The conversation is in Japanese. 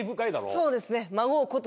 そうですね。